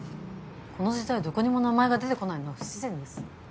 この時代どこにも名前が出て来ないのは不自然です。